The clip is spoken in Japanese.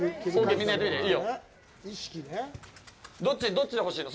どっちで欲しいの。